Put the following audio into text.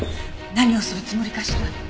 何をするつもりかしら。